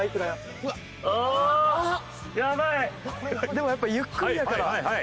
でもやっぱゆっくりだから。